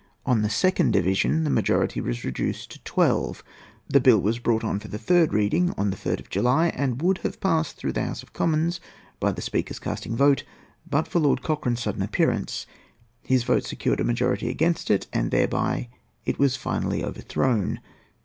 On the second division the majority was reduced to twelve. The bill was brought on for the third reading on the 3rd of July, and would have been passed through the House of Commons by the Speaker's casting vote but for Lord Cochrane's sudden appearance. His vote secured a majority against it, and thereby it was finally overthrown.